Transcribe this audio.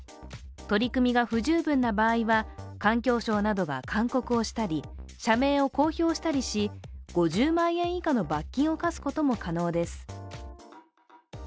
取り組みが不十分な場合は環境省などが勧告をしたり社名を公表したりし、５０万円以下の罰金を科すことも可能です。